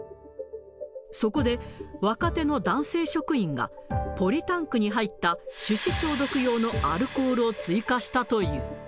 そこで、若手の男性職員が、ポリタンクに入った手指消毒用のアルコールを追加したという。